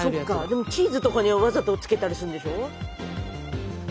でもチーズとかにはわざとつけたりするんでしょ？